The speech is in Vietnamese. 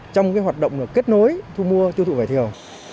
trong hoạt động kết nối thu mua tiêu thụ vải thiều